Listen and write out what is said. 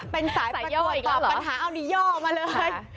เป็นสายปฏิวัตรตอบปัญหาเอานิยอมาเลยค่ะค่ะสายย่ออีกแล้วเหรอ